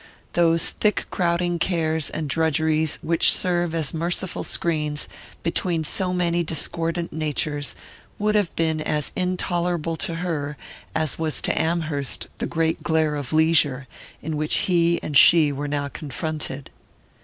Those thick crowding cares and drudgeries which serve as merciful screens between so many discordant natures would have been as intolerable to her as was to Amherst the great glare of leisure in which he and she were now confronted.